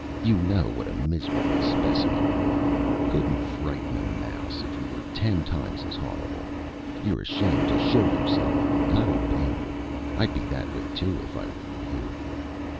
You know what a miserable specimen you are couldn't frighten a mouse if you were ten times as horrible. You're ashamed to show yourself and I don't blame you. I'd be that way too if I were you."